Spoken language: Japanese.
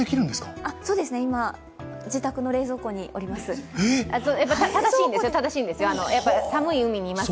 今、自宅の冷蔵庫にいます。